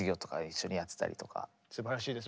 すばらしいです。